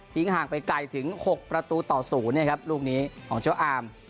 ห่างไปไกลถึง๖ประตูต่อ๐นะครับลูกนี้ของเจ้าอาม